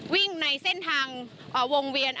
วิ่งในเส้นทางวงเวียน